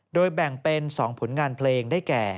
โดยแบ่งเป็น๒ผลงานเพลงได้แก่